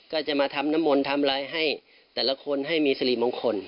ก็จะมาทำน้ำมนต์ทำอะไรให้แต่ละคนให้มีสิริมงคล